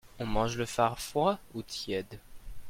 On mange le far froid ou tiède.